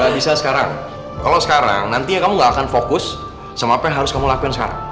bisa sekarang kalau sekarang nantinya kamu gak akan fokus sama apa yang harus kamu lakukan sekarang